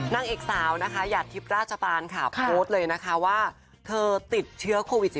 นางเอกสาวนะคะหยาดทิพย์ราชปานค่ะโพสต์เลยนะคะว่าเธอติดเชื้อโควิด๑๙